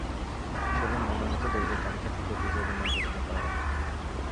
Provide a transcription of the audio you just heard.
সেদিন মনোনীতদের এই তালিকা থেকেই বিজয়ীদের নাম ঘোষণা করা হবে।